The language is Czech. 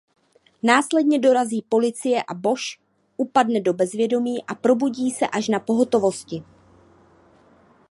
Následně dorazí policie a Bosch upadne do bezvědomí a probudí se až na pohotovosti.